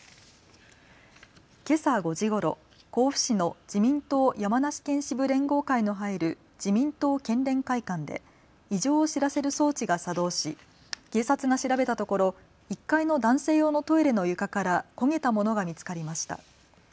けさ５時ごろ、甲府市の自民党山梨県支部連合会の入る自民党県連会館で異常を知らせる装置が作動し警察が調べたところ１階の男性用のトイレの床から焦げたものが見つかりました。